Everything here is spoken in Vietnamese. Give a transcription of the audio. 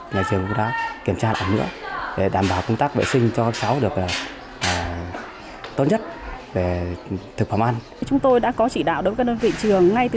nhà trường cũng đã kiểm tra đoạn nữa để đảm bảo công tác vệ sinh cho các cháu